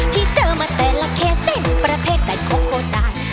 ที่เจอมาแต่ละเคสได้เป็นประเภทแบบโคโฮได้